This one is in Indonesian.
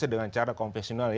harus dengan cara konvensional ya